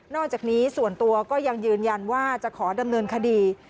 อกจากนี้ส่วนตัวก็ยังยืนยันว่าจะขอดำเนินคดี